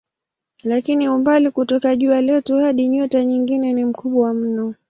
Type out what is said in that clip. Lakini umbali kutoka jua letu hadi nyota nyingine ni mkubwa mno.